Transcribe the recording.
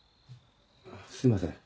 すみません。